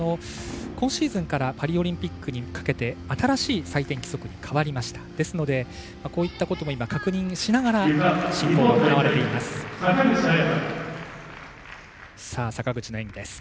今シーズンからパリオリンピックにかけて新しい採点規則に変わりましたので今、確認しながら進行が行われています。